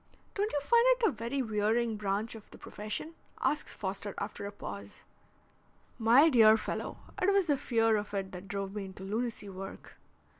"Don't you find it a very wearing branch of the profession?" asks Foster after a pause. "My dear fellow, it was the fear of it that drove me into lunacy work."